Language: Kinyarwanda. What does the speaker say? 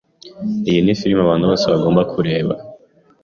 Iyi ni film abantu bose bagomba kureba.